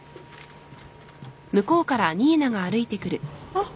・あっ。